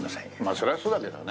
そりゃそうだけどね。